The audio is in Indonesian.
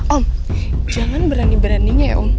om jangan berani beraninya ya om